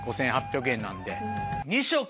５８００円なんで。